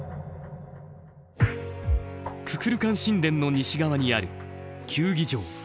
ククルカン神殿の西側にある「球技場」。